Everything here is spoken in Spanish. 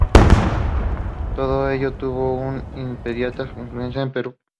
Todo ello tuvo una inmediata influencia en el Perú.